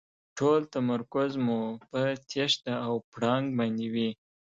ټول تمرکز مو په تېښته او پړانګ باندې وي.